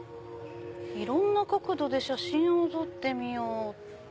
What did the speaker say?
「いろんな角度で写真をとってみよう」。